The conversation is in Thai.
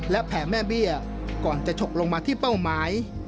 และแผ่แม่เบี้ยก่อนจะฉกลงมาที่เป้าหมาย